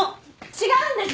違うんです